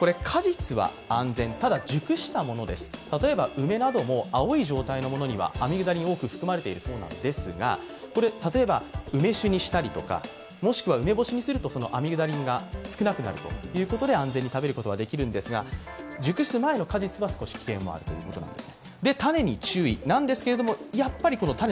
梅なども青いものにはアミグダリンが多く含まれているんですが、例えば、梅酒にしたりもしくは梅干しにするとアミグダリンが少なくなるということで安全に食べることができるんですが熟す前の果実は、少し危険もあるということです。